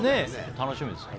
楽しみですね